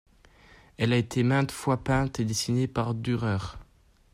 Elle a été maintes fois peinte et dessinée par Dürer.